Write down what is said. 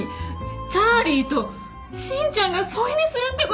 チャーリーとシンちゃんが添い寝するって事！？